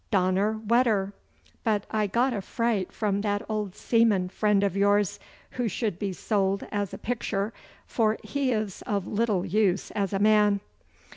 Donner wetter! but I got a fright from that old seaman friend of yours, who should be sold as a picture, for he is of little use as a man.